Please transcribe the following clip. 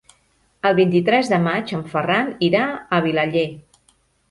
El vint-i-tres de maig en Ferran irà a Vilaller.